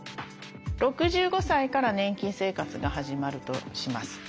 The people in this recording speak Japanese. ６５歳から年金生活が始まるとします。